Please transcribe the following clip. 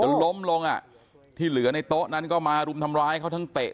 ล้มลงอ่ะที่เหลือในโต๊ะนั้นก็มารุมทำร้ายเขาทั้งเตะ